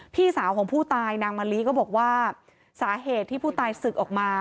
พี่สาวของผู้ตายนางมะลิก็บอกว่าสาเหตุที่ผู้ตายศึกออกมา